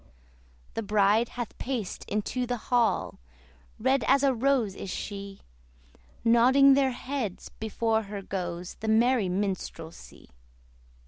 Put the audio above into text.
The bride hath paced into the hall, Red as a rose is she; Nodding their heads before her goes The merry minstrelsy.